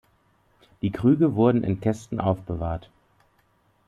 Die Krüge wurden in Kästen aufbewahrt.